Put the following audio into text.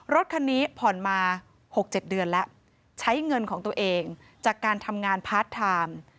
รถคันนี้ผ่อนมา๖๗เดือนแล้วใช้เงินของตัวเองจากการทำงานพาร์ทไทม์